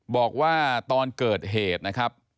บอกว่าตอนเกิดเหตุนะครับ